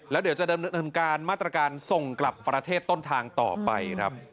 แล้วเดี๋ยวจะดำเนินการมาตรการส่งกลับประเทศต้นทางต่อไปครับ